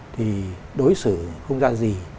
thì đối xử không ra gì